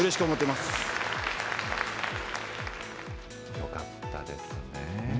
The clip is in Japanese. よかったですね。